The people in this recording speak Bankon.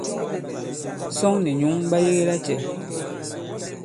Sᴐŋ nì nyǔŋ ɓa yege lacɛ̄?